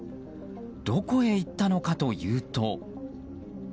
どこへ行ったのかというと。